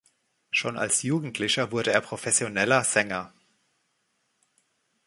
Schon als Jugendlicher wurde er professioneller Sänger.